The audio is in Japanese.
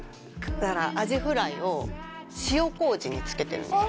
だからアジフライを塩麹に漬けてるんです